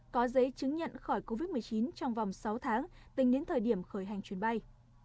có giấy chứng nhận khỏi covid một mươi chín trong vòng sáu tháng tính đến thời điểm khởi hành chuyến bay